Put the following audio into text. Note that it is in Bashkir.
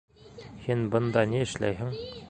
Һин бында ни эшләйһең?